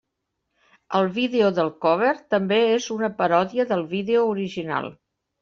El vídeo del cover, també és una paròdia del vídeo original.